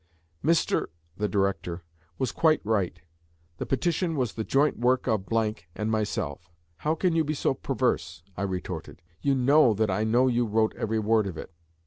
"M [the director] was quite right. The petition was the joint work of and myself." "How can you be so perverse?" I retorted. "You know that I know you wrote every word of it."